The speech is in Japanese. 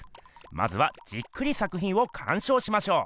まずはじっくりさくひんをかんしょうしましょう。